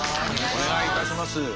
お願いいたします。